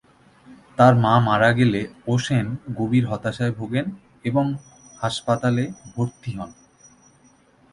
তার মা মারা গেলে ও'শেন গভীর হতাশায় ভোগেন এবং হাসপাতালে ভর্তি হন।